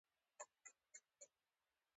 ځان پېښې چې فارسي کې ورته خاطره هم وایي